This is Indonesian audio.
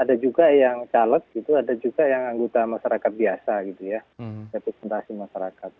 ada juga yang caleg gitu ada juga yang anggota masyarakat biasa gitu ya representasi masyarakat